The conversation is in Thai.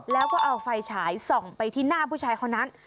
แล้วก็เอาไฟฉายส่องไปที่หน้าผู้ชายคนนั้น